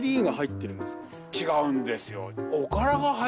違うんですよ。